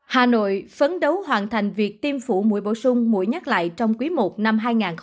hà nội phấn đấu hoàn thành việc tiêm phụ mũi bổ sung mũi nhắc lại trong quý i năm hai nghìn hai mươi bốn